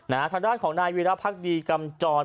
ทางด้านของนายวิรพักดีกำจร